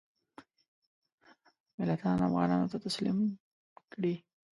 ملتان افغانانو ته تسلیم کړي.